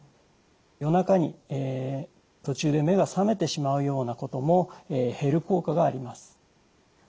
夜中に途中で目が覚めてしまうようなことも減る効果があります。